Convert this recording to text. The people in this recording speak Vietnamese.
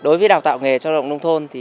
đối với đào tạo nghề cho lao động nông thôn